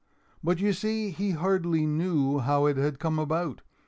But, you see, he hardly knew how it had come about.